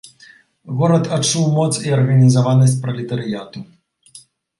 Горад адчуў моц і арганізаванасць пралетарыяту.